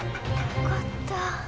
よかった。